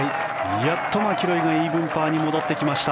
やっとマキロイがイーブンパーに戻ってきました。